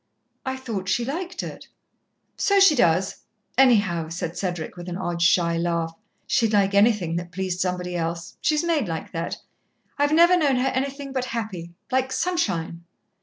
"I thought she liked it." "So she does. Anyhow," said Cedric, with an odd, shy laugh, "she'd like anything that pleased somebody else. She's made like that. I've never known her anything but happy like sunshine."